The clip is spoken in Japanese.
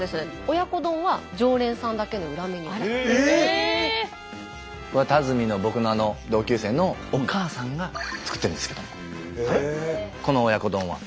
親子丼は田隅の僕の同級生のお母さんが作ってるんですけどこの親子丼は。